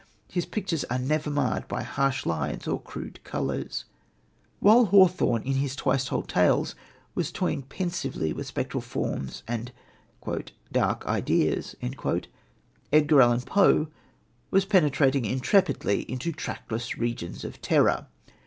His pictures are never marred by harsh lines or crude colours. While Hawthorne in his Twice Told Tales was toying pensively with spectral forms and "dark ideas," Edgar Allan Poe was penetrating intrepidly into trackless regions of terror.